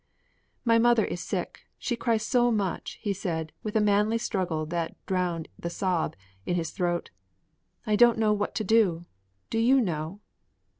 "My mother is sick, she cries so much," he said with a manly struggle that drowned the sob in his throat. "I don't know what to do. Do you know?"